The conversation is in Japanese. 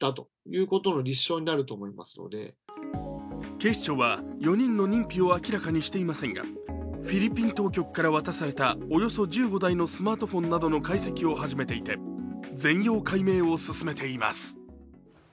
警視庁は４人の認否を明らかにしていませんがフィリピン当局から渡されたおよそ１５台のスマートフォンなどの解析を始めていて全容解明を進めています。